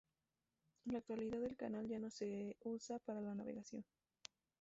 En la actualidad el canal ya no se usa para la navegación.